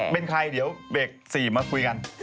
เป็นใครเดี๋ยวเบรก๔มาคุยกัน